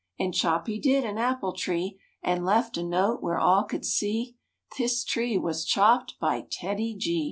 And chop he did an apple tree And left a note where all could see, "This tree was chopped by TEDDY G."